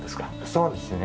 そうですね。